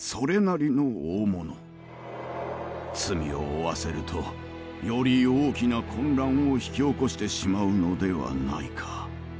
罪を負わせるとより大きな混乱を引き起こしてしまうのではないか。